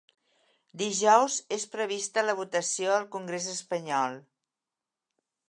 Dijous és prevista la votació al congrés espanyol.